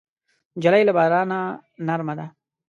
نجلۍ له بارانه نرمه ده.